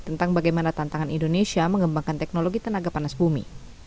tentang bagaimana tantangan indonesia mengembangkan teknologi tenaga panas bumi